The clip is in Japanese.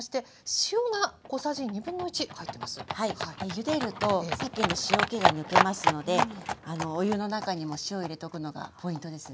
ゆでるとさけの塩けが抜けますのでお湯の中にも塩を入れとくのがポイントですね。